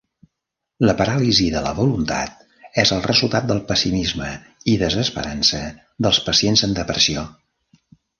La "paràlisi de la voluntat" és el resultat del pessimisme i desesperança dels pacients amb depressió.